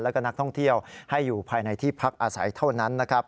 แล้วก็นักท่องเที่ยวให้อยู่ภายในที่พักอาศัยเท่านั้นนะครับ